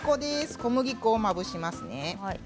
小麦粉をまぶしますね